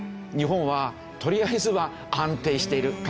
日本はとりあえずは安定している。